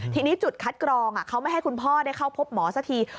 ทีนี้จุดคัดกรองเขาไม่ให้คุณพ่อได้เข้าพบหมอสักที